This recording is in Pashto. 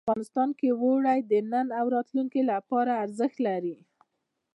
افغانستان کې اوړي د نن او راتلونکي لپاره ارزښت لري.